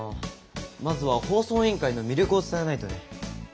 まずは放送委員会の魅力を伝えないとね。